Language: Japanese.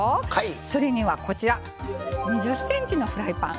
それには２０ｃｍのフライパン